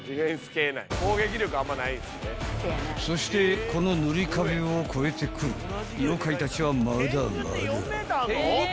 ［そしてこのぬりかべをこえてくる妖怪たちはまだまだ］